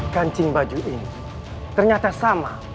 kancing baju ini ternyata sama